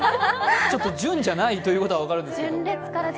純じゃないということは分かるんですけど。